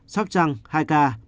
sóc trăng hai ca